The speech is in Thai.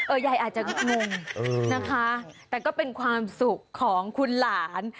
ยายอาจจะงงนะคะแต่ก็เป็นความสุขของคุณหลาน